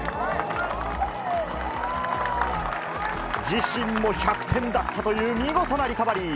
自身も１００点だったという見事なリカバリー。